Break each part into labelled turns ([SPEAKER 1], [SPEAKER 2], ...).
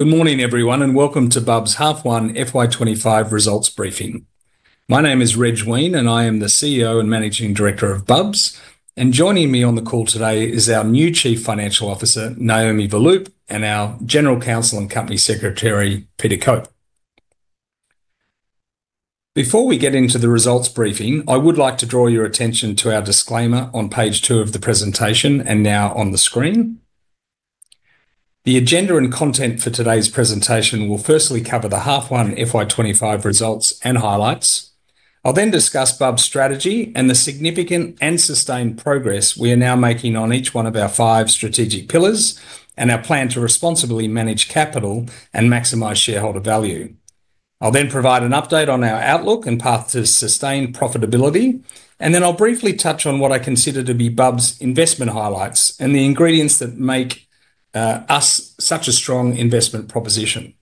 [SPEAKER 1] Good morning, everyone, and welcome to Bubs Half One FY25 Results Briefing. My name is Reg Weine, and I am the CEO and Managing Director of Bubs. Joining me on the call today is our new Chief Financial Officer, Naomi Verloop, and our General Counsel and Company Secretary, Peter Cope. Before we get into the results briefing, I would like to draw your attention to our disclaimer on page two of the presentation and now on the screen. The agenda and content for today's presentation will firstly cover the Half One FY25 results and highlights. I'll then discuss Bubs' strategy and the significant and sustained progress we are now making on each one of our five strategic pillars and our plan to responsibly manage capital and maximize shareholder value. I'll then provide an update on our outlook and path to sustained profitability, and then I'll briefly touch on what I consider to be Bubs' investment highlights and the ingredients that make us such a strong investment proposition.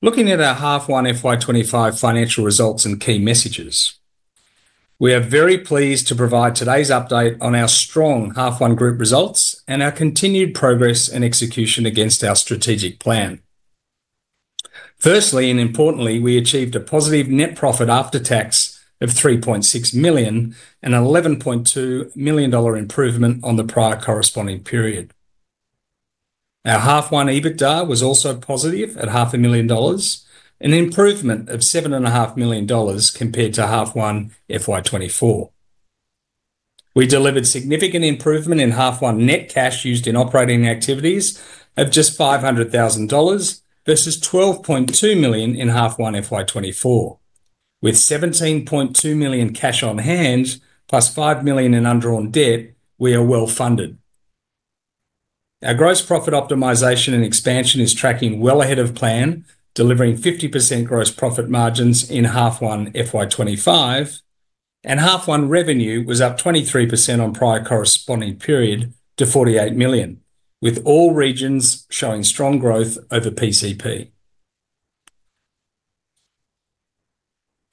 [SPEAKER 1] Looking at our Half One FY25 financial results and key messages, we are very pleased to provide today's update on our strong Half One Group results and our continued progress and execution against our strategic plan. Firstly, and importantly, we achieved a positive net profit after tax of $3.6 million and an $11.2 million improvement on the prior corresponding period. Our Half One EBITDA was also positive at $500,000, an improvement of $7.5 million compared to Half One FY24. We delivered significant improvement in Half One net cash used in operating activities of just $500,000 versus $12.2 million in Half One FY24. With 17.2 million cash on hand plus 5 million in underwritten debt, we are well funded. Our gross profit optimization and expansion is tracking well ahead of plan, delivering 50% gross profit margins in Half One FY25, and Half One revenue was up 23% on prior corresponding period to 48 million, with all regions showing strong growth over PCP.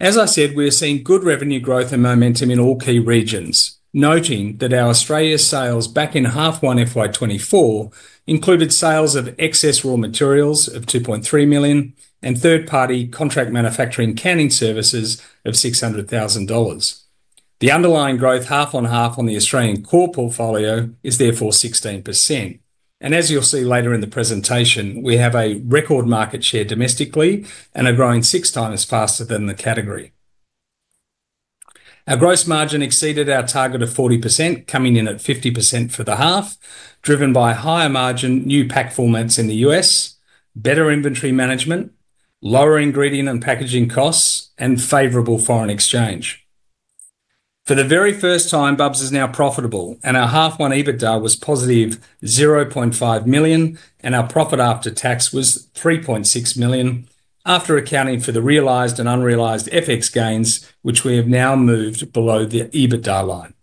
[SPEAKER 1] As I said, we are seeing good revenue growth and momentum in all key regions, noting that our Australia sales back in Half One FY24 included sales of excess raw materials of 2.3 million and third-party contract manufacturing canning services of 600,000 dollars. The underlying growth half on half on the Australian core portfolio is therefore 16%. As you'll see later in the presentation, we have a record market share domestically and are growing six times faster than the category. Our gross margin exceeded our target of 40%, coming in at 50% for the half, driven by higher margin, new pack formats in the U.S., better inventory management, lower ingredient and packaging costs, and favorable foreign exchange. For the very first time, Bubs is now profitable, and our Half One EBITDA was positive $0.5 million, and our profit after tax was $3.6 million after accounting for the realized and unrealized FX gains, which we have now moved below the EBITDA line.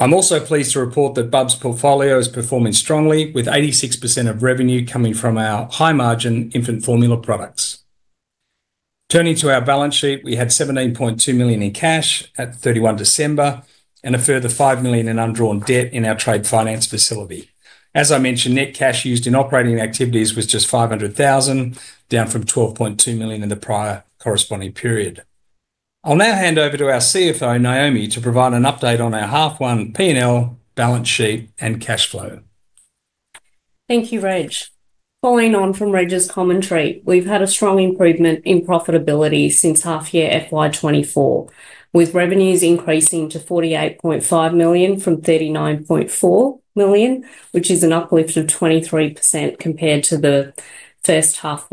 [SPEAKER 1] I'm also pleased to report that Bubs' portfolio is performing strongly, with 86% of revenue coming from our high-margin infant formula products. Turning to our balance sheet, we had 17.2 million in cash at 31 December and a further 5 million in underwritten debt in our trade finance facility. As I mentioned, net cash used in operating activities was just $500,000, down from $12.2 million in the prior corresponding period. I'll now hand over to our CFO, Naomi, to provide an update on our Half One P&L balance sheet and cash flow.
[SPEAKER 2] Thank you, Reg. Following on from Reg's commentary, we've had a strong improvement in profitability since half year FY2024, with revenues increasing to 48.5 million from 39.4 million, which is an uplift of 23% compared to the first half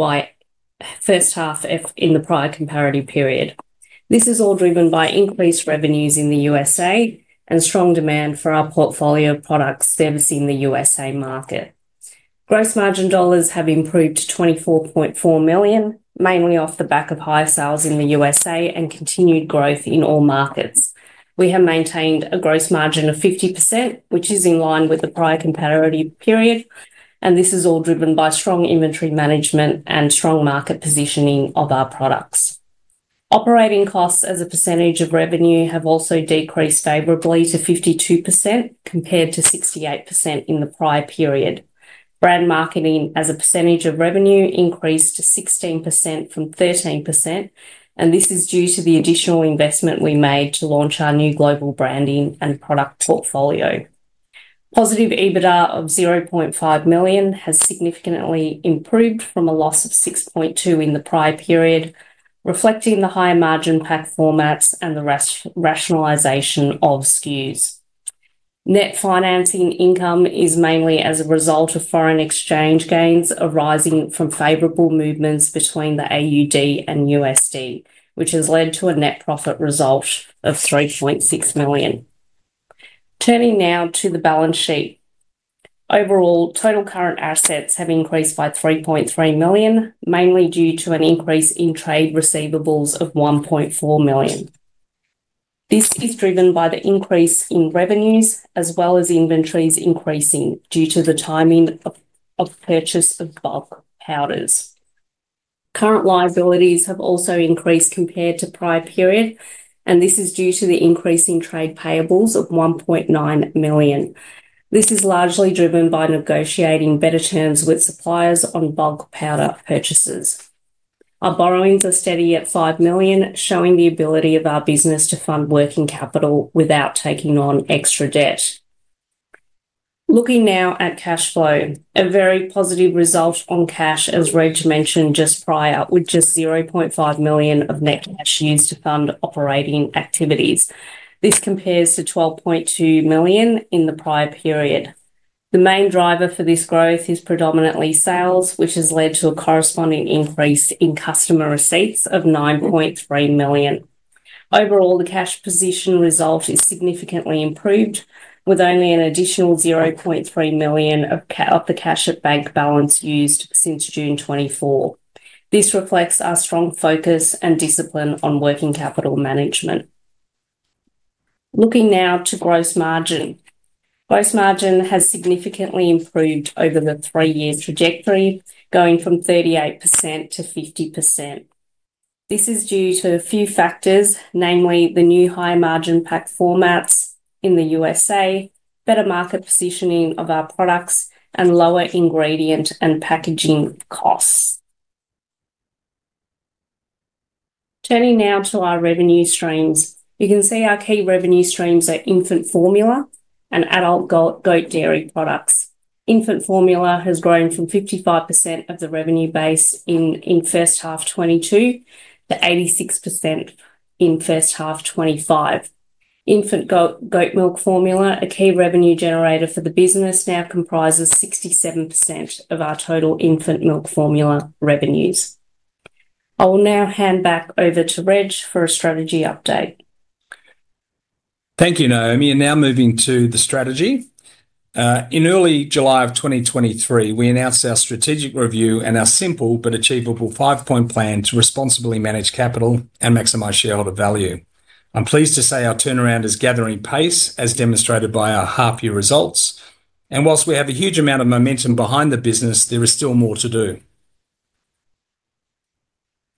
[SPEAKER 2] in the prior comparative period. This is all driven by increased revenues in the USA and strong demand for our portfolio products servicing the USA market. Gross margin dollars have improved to 24.4 million, mainly off the back of higher sales in the USA and continued growth in all markets. We have maintained a gross margin of 50%, which is in line with the prior comparative period, and this is all driven by strong inventory management and strong market positioning of our products. Operating costs as a percentage of revenue have also decreased favorably to 52% compared to 68% in the prior period. Brand marketing as a percentage of revenue increased to 16% from 13%, and this is due to the additional investment we made to launch our new global branding and product portfolio. Positive EBITDA of $0.5 million has significantly improved from a loss of $6.2 million in the prior period, reflecting the higher margin pack formats and the rationalization of SKUs. Net financing income is mainly as a result of foreign exchange gains arising from favorable movements between the AUD and USD, which has led to a net profit result of $3.6 million. Turning now to the balance sheet, overall total current assets have increased by 3.3 million, mainly due to an increase in trade receivables of 1.4 million. This is driven by the increase in revenues as well as inventories increasing due to the timing of purchase of bulk powders. Current liabilities have also increased compared to prior period, and this is due to the increase in trade payables of 1.9 million. This is largely driven by negotiating better terms with suppliers on bulk powder purchases. Our borrowings are steady at 5 million, showing the ability of our business to fund working capital without taking on extra debt. Looking now at cash flow, a very positive result on cash, as Reg mentioned just prior, with just 0.5 million of net cash used to fund operating activities. This compares to 12.2 million in the prior period. The main driver for this growth is predominantly sales, which has led to a corresponding increase in customer receipts of 9.3 million. Overall, the cash position result is significantly improved, with only an additional 0.3 million of the cash at bank balance used since June 2024. This reflects our strong focus and discipline on working capital management. Looking now to gross margin, gross margin has significantly improved over the three-year trajectory, going from 38%-50%. This is due to a few factors, namely the new high margin pack formats in the USA, better market positioning of our products, and lower ingredient and packaging costs. Turning now to our revenue streams, you can see our key revenue streams are infant formula and adult goat dairy products. Infant formula has grown from 55% of the revenue base in first half 2022 to 86% in first half 2025. Infant goat milk formula, a key revenue generator for the business, now comprises 67% of our total infant milk formula revenues. I will now hand back over to Reg for a strategy update.
[SPEAKER 1] Thank you, Naomi. Now moving to the strategy. In early July of 2023, we announced our strategic review and our simple but achievable five-point plan to responsibly manage capital and maximize shareholder value. I'm pleased to say our turnaround is gathering pace, as demonstrated by our half-year results. Whilst we have a huge amount of momentum behind the business, there is still more to do.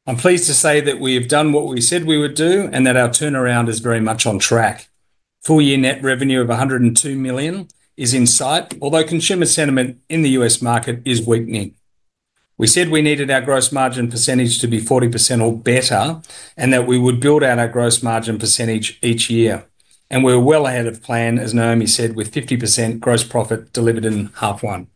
[SPEAKER 1] I'm pleased to say that we have done what we said we would do and that our turnaround is very much on track. Full-year net revenue of 102 million is in sight, although consumer sentiment in the U.S. market is weakening. We said we needed our gross margin percentage to be 40% or better and that we would build out our gross margin percentage each year. We're well ahead of plan, as Naomi said, with 50% gross profit delivered in half one.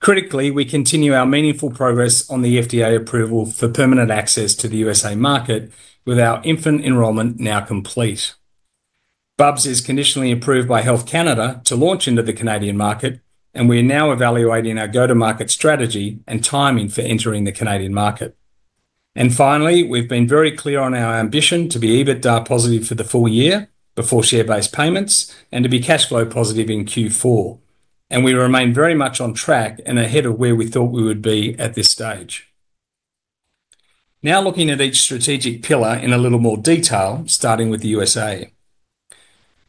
[SPEAKER 1] Critically, we continue our meaningful progress on the FDA approval for permanent access to the USA market, with our infant enrollment now complete. Bubs is conditionally approved by Health Canada to launch into the Canadian market, and we are now evaluating our go-to-market strategy and timing for entering the Canadian market. We have been very clear on our ambition to be EBITDA positive for the full year before share-based payments and to be cash flow positive in Q4. We remain very much on track and ahead of where we thought we would be at this stage. Now looking at each strategic pillar in a little more detail, starting with the USA.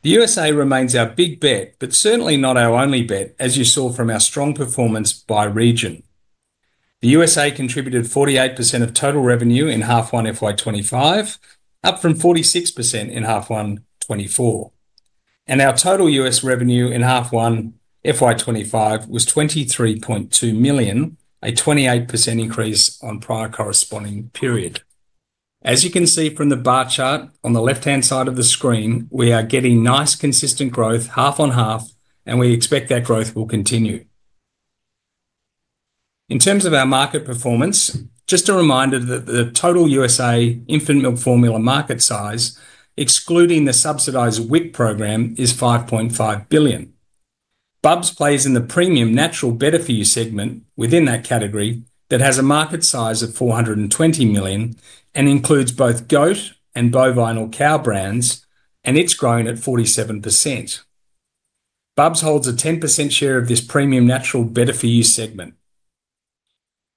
[SPEAKER 1] The USA remains our big bet, but certainly not our only bet, as you saw from our strong performance by region. The USA contributed 48% of total revenue in Half One 2025, up from 46% in Half One 2024. Our total U.S. revenue in Half One 2025 was $23.2 million, a 28% increase on prior corresponding period. As you can see from the bar chart on the left-hand side of the screen, we are getting nice consistent growth half on half, and we expect that growth will continue. In terms of our market performance, just a reminder that the total USA infant milk formula market size, excluding the subsidized WIC program, is $5.5 billion. Bubs plays in the premium natural better-for-you segment within that category that has a market size of $420 million and includes both goat and bovine or cow brands, and it's grown at 47%. Bubs holds a 10% share of this premium natural better-for-you segment.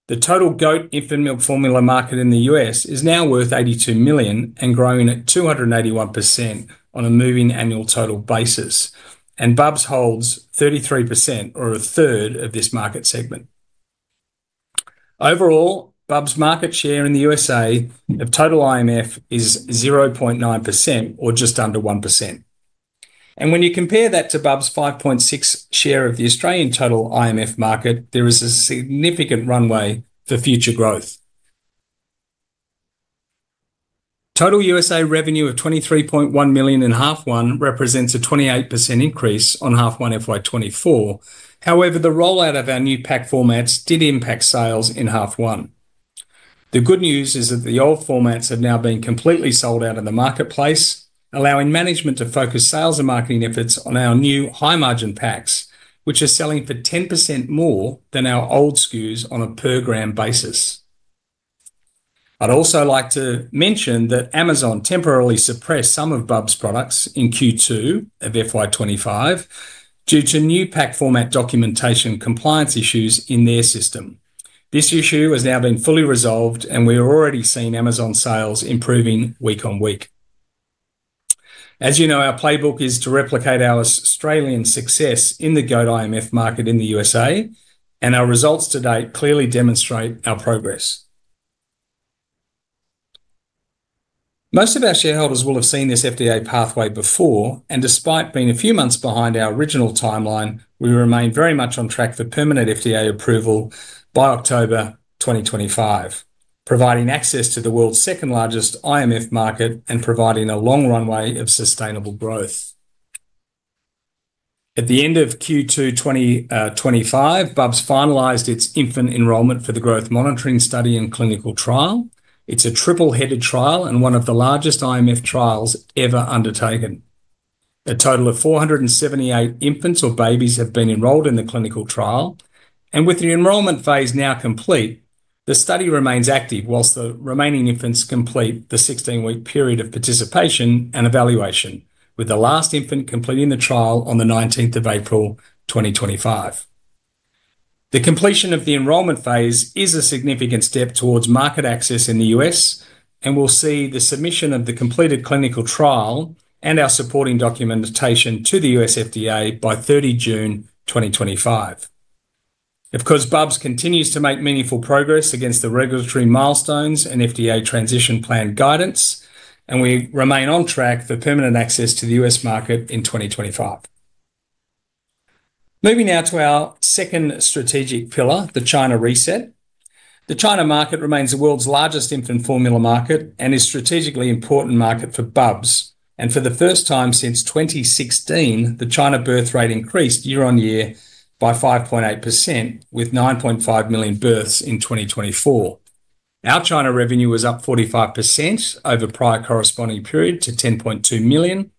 [SPEAKER 1] The total goat infant milk formula market in the U.S. is now worth $82 million and growing at 281% on a moving annual total basis, and Bubs holds 33% or a third of this market segment. Overall, Bubs' market share in the USA of total IMF is 0.9% or just under 1%. When you compare that to Bubs' 5.6% share of the Australian total IMF market, there is a significant runway for future growth. Total USA revenue of $23.1 million in half one represents a 28% increase on half one FY2024. However, the rollout of our new pack formats did impact sales in half one. The good news is that the old formats have now been completely sold out of the marketplace, allowing management to focus sales and marketing efforts on our new high-margin packs, which are selling for 10% more than our old SKUs on a per gram basis. I'd also like to mention that Amazon temporarily suppressed some of Bubs' products in Q2 of FY25 due to new pack format documentation compliance issues in their system. This issue has now been fully resolved, and we have already seen Amazon sales improving week on week. As you know, our playbook is to replicate our Australian success in the goat IMF market in the USA, and our results to date clearly demonstrate our progress. Most of our shareholders will have seen this FDA pathway before, and despite being a few months behind our original timeline, we remain very much on track for permanent FDA approval by October 2025, providing access to the world's second largest IMF market and providing a long runway of sustainable growth. At the end of Q2 2025, Bubs finalized its infant enrollment for the growth monitoring study and clinical trial. It's a triple-headed trial and one of the largest IMF trials ever undertaken. A total of 478 infants or babies have been enrolled in the clinical trial. With the enrollment phase now complete, the study remains active whilst the remaining infants complete the 16-week period of participation and evaluation, with the last infant completing the trial on the 19th of April 2025. The completion of the enrollment phase is a significant step towards market access in the U.S., and we'll see the submission of the completed clinical trial and our supporting documentation to the U.S. FDA by 30 June 2025. Of course, Bubs continues to make meaningful progress against the regulatory milestones and FDA transition plan guidance, and we remain on track for permanent access to the U.S. market in 2025. Moving now to our second strategic pillar, the China reset. The China market remains the world's largest infant formula market and is a strategically important market for Bubs. For the first time since 2016, the China birth rate increased year on year by 5.8%, with 9.5 million births in 2024. Our China revenue was up 45% over prior corresponding period to 10.2 million,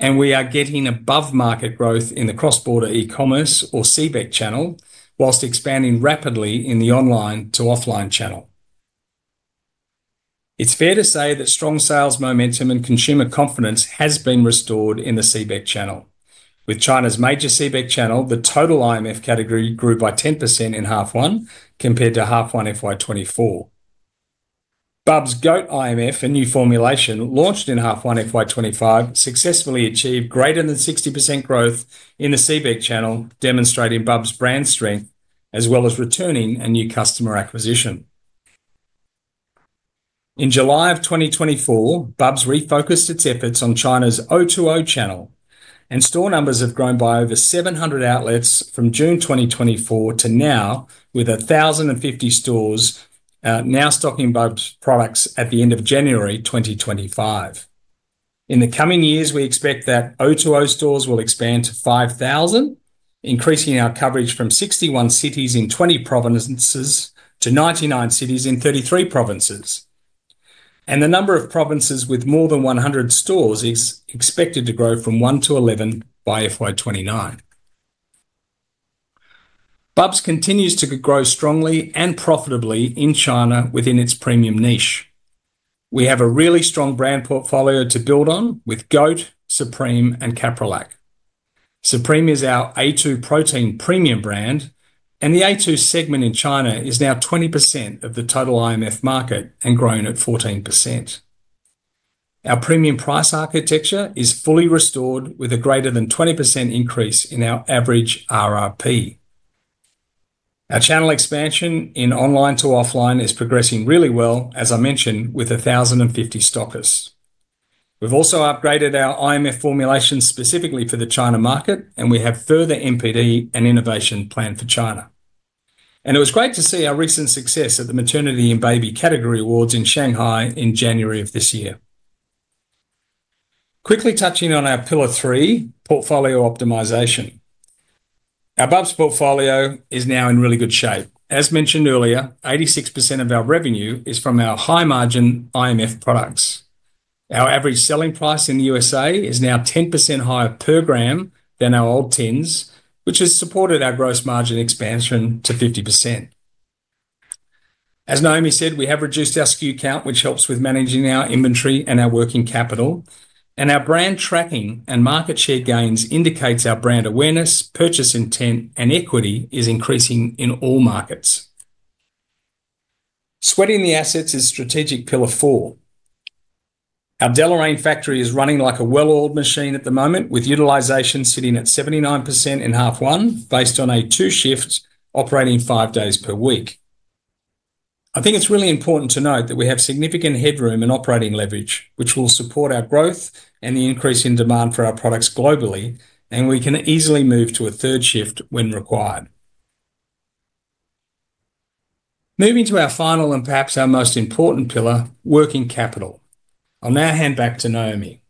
[SPEAKER 1] and we are getting above market growth in the cross-border e-commerce or CBEC channel, whilst expanding rapidly in the online to offline channel. It's fair to say that strong sales momentum and consumer confidence has been restored in the CBEC channel. With China's major CBEC channel, the total IMF category grew by 10% in half one compared to half one FY2024. Bubs Goat IMF, a new formulation launched in half one FY2025, successfully achieved greater than 60% growth in the CBEC channel, demonstrating Bubs' brand strength as well as returning a new customer acquisition. In July of 2024, Bubs refocused its efforts on China's O2O channel, and store numbers have grown by over 700 outlets from June 2024 to now, with 1,050 stores now stocking Bubs' products at the end of January 2025. In the coming years, we expect that O2O stores will expand to 5,000, increasing our coverage from 61 cities in 20 provinces to 99 cities in 33 provinces. The number of provinces with more than 100 stores is expected to grow from one to 11 by FY2029. Bubs continues to grow strongly and profitably in China within its premium niche. We have a really strong brand portfolio to build on with Goat, Supreme, and Caprolac. Supreme is our A2 protein premium brand, and the A2 segment in China is now 20% of the total IMF market and grown at 14%. Our premium price architecture is fully restored with a greater than 20% increase in our average RRP. Our channel expansion in online to offline is progressing really well, as I mentioned, with 1,050 stockers. We've also upgraded our IMF formulation specifically for the China market, and we have further MPD and innovation planned for China. It was great to see our recent success at the Maternity and Baby Category Awards in Shanghai in January of this year. Quickly touching on our pillar three, portfolio optimization. Our Bubs portfolio is now in really good shape. As mentioned earlier, 86% of our revenue is from our high-margin IMF products. Our average selling price in the USA is now 10% higher per gram than our old tins, which has supported our gross margin expansion to 50%. As Naomi said, we have reduced our SKU count, which helps with managing our inventory and our working capital. Our brand tracking and market share gains indicate our brand awareness, purchase intent, and equity is increasing in all markets. Sweating the assets is strategic pillar four. Our De La Reine factory is running like a well-oiled machine at the moment, with utilization sitting at 79% in half one, based on a two-shift operating five days per week. I think it's really important to note that we have significant headroom and operating leverage, which will support our growth and the increase in demand for our products globally, and we can easily move to a third shift when required. Moving to our final and perhaps our most important pillar, working capital. I'll now hand back to Naomi.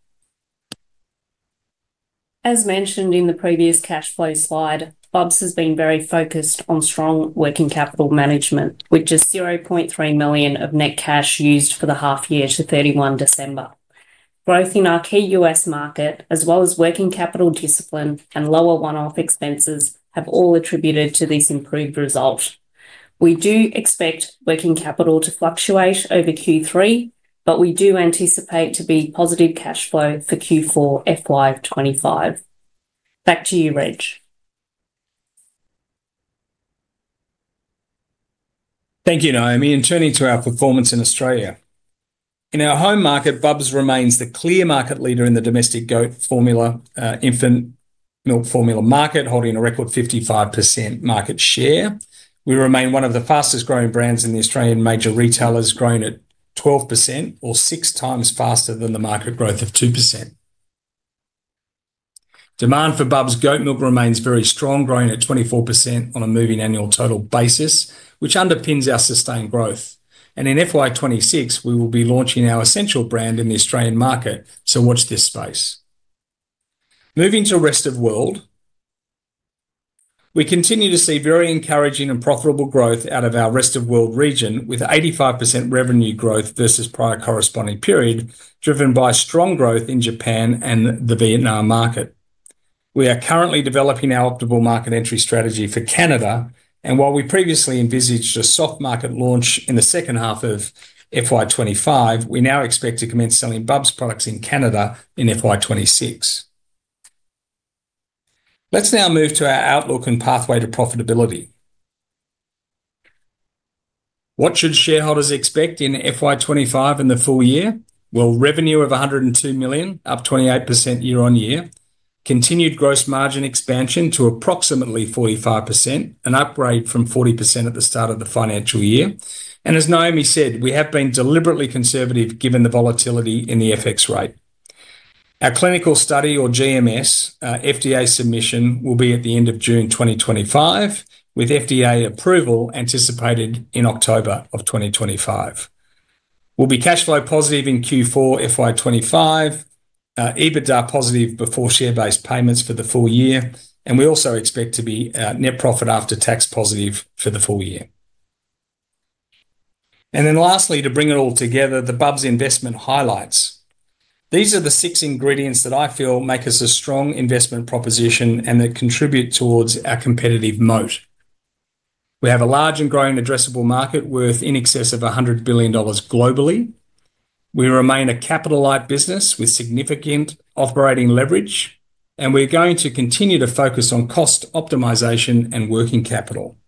[SPEAKER 2] As mentioned in the previous cash flow slide, Bubs has been very focused on strong working capital management, which is 0.3 million of net cash used for the half year to 31 December. Growth in our key U.S. market, as well as working capital discipline and lower one-off expenses, have all attributed to this improved result. We do expect working capital to fluctuate over Q3, but we do anticipate to be positive cash flow for Q4 FY25. Back to you, Reg.
[SPEAKER 1] Thank you, Naomi. Turning to our performance in Australia. In our home market, Bubs remains the clear market leader in the domestic goat formula infant milk formula market, holding a record 55% market share. We remain one of the fastest growing brands in the Australian major retailers, growing at 12%, or six times faster than the market growth of 2%. Demand for Bubs goat milk remains very strong, growing at 24% on a moving annual total basis, which underpins our sustained growth. In FY2026, we will be launching our essential brand in the Australian market, so watch this space. Moving to rest of world, we continue to see very encouraging and profitable growth out of our rest of world region, with 85% revenue growth versus prior corresponding period, driven by strong growth in Japan and the Vietnam market. We are currently developing our optimal market entry strategy for Canada, and while we previously envisaged a soft market launch in the second half of FY25, we now expect to commence selling Bubs products in Canada in FY26. Let's now move to our outlook and pathway to profitability. What should shareholders expect in FY25 and the full year? Revenue of 102 million, up 28% year on year, continued gross margin expansion to approximately 45%, an upgrade from 40% at the start of the financial year. As Naomi said, we have been deliberately conservative given the volatility in the FX rate. Our clinical study, or GMS, FDA submission will be at the end of June 2025, with FDA approval anticipated in October 2025. We'll be cash flow positive in Q4 FY2025, EBITDA positive before share-based payments for the full year, and we also expect to be net profit after tax positive for the full year. Lastly, to bring it all together, the Bubs investment highlights. These are the six ingredients that I feel make us a strong investment proposition and that contribute towards our competitive moat. We have a large and growing addressable market worth in excess of $100 billion globally. We remain a capital-light business with significant operating leverage, and we're going to continue to focus on cost optimization and working capital.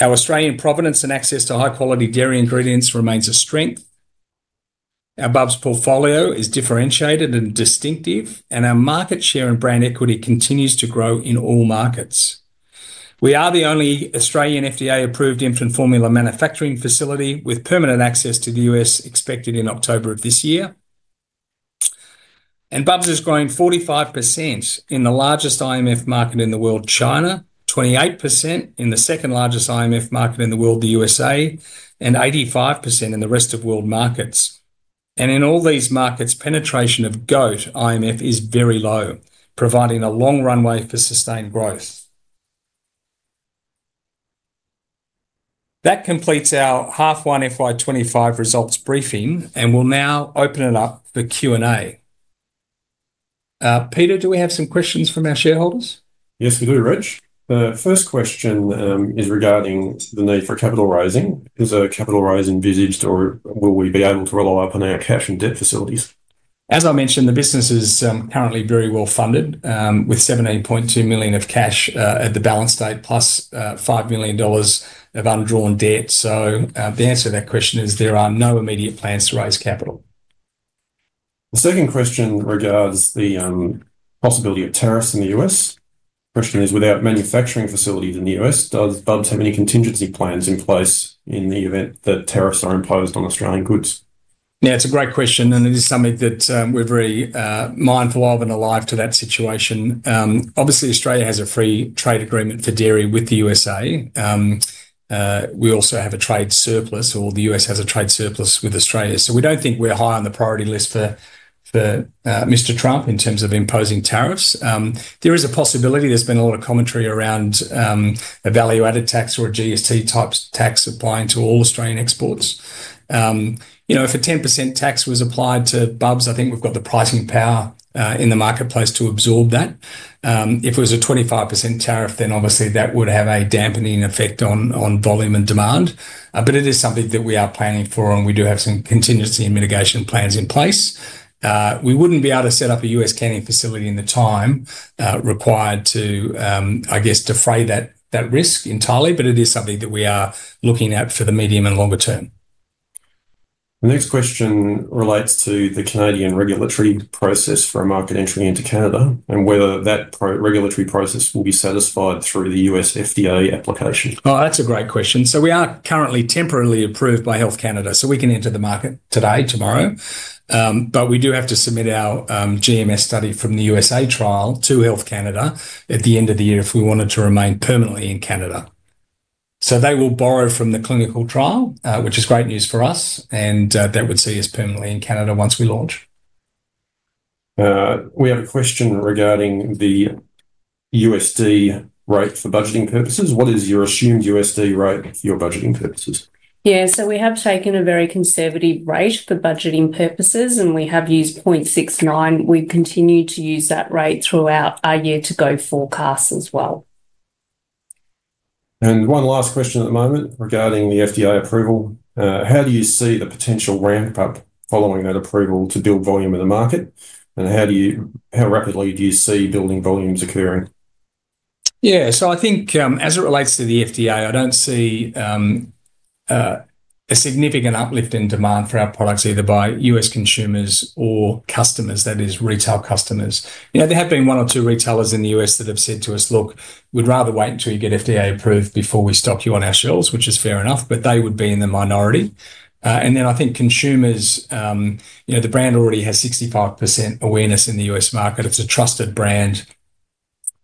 [SPEAKER 1] Our Australian provenance and access to high-quality dairy ingredients remains a strength. Our Bubs portfolio is differentiated and distinctive, and our market share and brand equity continues to grow in all markets. We are the only Australian FDA-approved infant formula manufacturing facility with permanent access to the U.S. expected in October of this year. Bubs is growing 45% in the largest IMF market in the world, China, 28% in the second largest IMF market in the world, the U.S., and 85% in the rest of world markets. In all these markets, penetration of goat IMF is very low, providing a long runway for sustained growth. That completes our half one FY25 results briefing, and we'll now open it up for Q&A. Peter, do we have some questions from our shareholders?
[SPEAKER 3] Yes, we do, Reg. The first question is regarding the need for capital raising. Is a capital raise envisaged, or will we be able to rely upon our cash and debt facilities?
[SPEAKER 1] As I mentioned, the business is currently very well funded with 17.2 million of cash at the balance date, plus 5 million dollars of undrawn debt. The answer to that question is there are no immediate plans to raise capital.
[SPEAKER 3] The second question regards the possibility of tariffs in the U.S. The question is, without manufacturing facilities in the U.S., does Bubs have any contingency plans in place in the event that tariffs are imposed on Australian goods?
[SPEAKER 1] Yeah, it's a great question, and it is something that we're very mindful of and alive to that situation. Obviously, Australia has a free trade agreement for dairy with the U.S.A We also have a trade surplus, or the U.S. has a trade surplus with Australia. We don't think we're high on the priority list for Mr. Trump in terms of imposing tariffs. There is a possibility there's been a lot of commentary around a value-added tax or a GST-type tax applying to all Australian exports. You know, if a 10% tax was applied to Bubs, I think we've got the pricing power in the marketplace to absorb that. If it was a 25% tariff, that would have a dampening effect on volume and demand. It is something that we are planning for, and we do have some contingency and mitigation plans in place. We wouldn't be able to set up a U.S. canning facility in the time required to, I guess, defray that risk entirely, but it is something that we are looking at for the medium and longer term.
[SPEAKER 3] The next question relates to the Canadian regulatory process for a market entry into Canada and whether that regulatory process will be satisfied through the U.S. FDA application.
[SPEAKER 1] Oh, that's a great question. We are currently temporarily approved by Health Canada, so we can enter the market today, tomorrow. We do have to submit our GMS study from the USA trial to Health Canada at the end of the year if we wanted to remain permanently in Canada. They will borrow from the clinical trial, which is great news for us, and that would see us permanently in Canada once we launch.
[SPEAKER 3] We have a question regarding the USD rate for budgeting purposes. What is your assumed USD rate for your budgeting purposes?
[SPEAKER 2] Yeah, so we have taken a very conservative rate for budgeting purposes, and we have used 0.69. We continue to use that rate throughout our year-to-go forecast as well.
[SPEAKER 3] One last question at the moment regarding the FDA approval. How do you see the potential ramp-up following that approval to build volume in the market? How rapidly do you see building volumes occurring?
[SPEAKER 1] Yeah, so I think as it relates to the FDA, I don't see a significant uplift in demand for our products, either by U.S. consumers or customers, that is, retail customers. You know, there have been one or two retailers in the U.S. that have said to us, "Look, we'd rather wait until you get FDA approved before we stock you on our shelves," which is fair enough, but they would be in the minority. I think consumers, you know, the brand already has 65% awareness in the U.S. market. It's a trusted brand.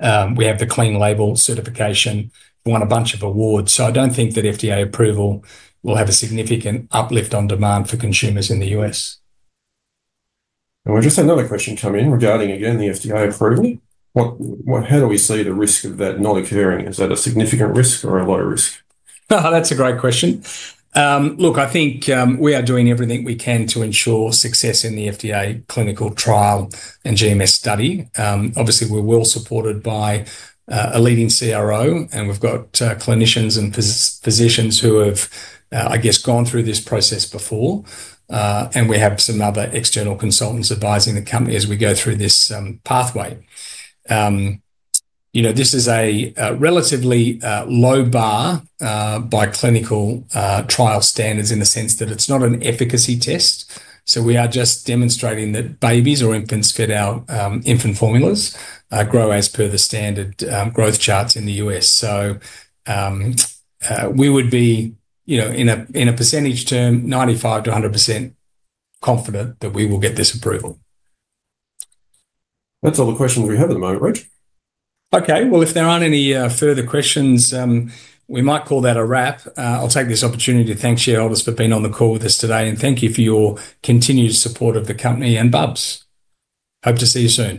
[SPEAKER 1] We have the Clean Label certification. We won a bunch of awards. I don't think that FDA approval will have a significant uplift on demand for consumers in the U.S.
[SPEAKER 3] We just had another question come in regarding, again, the FDA approval. How do we see the risk of that not occurring? Is that a significant risk or a low risk?
[SPEAKER 1] That's a great question. Look, we are doing everything we can to ensure success in the FDA clinical trial and GMS study. Obviously, we're well supported by a leading CRO, and we've got clinicians and physicians who have, I guess, gone through this process before. We have some other external consultants advising the company as we go through this pathway. You know, this is a relatively low bar by clinical trial standards in the sense that it's not an efficacy test. We are just demonstrating that babies or infants fed our infant formulas grow as per the standard growth charts in the U.S. We would be, you know, in a percentage term, 95-100% confident that we will get this approval.
[SPEAKER 3] That's all the questions we have at the moment, Reg.
[SPEAKER 1] Okay, if there aren't any further questions, we might call that a wrap. I'll take this opportunity to thank shareholders for being on the call with us today, and thank you for your continued support of the company and Bubs. Hope to see you soon.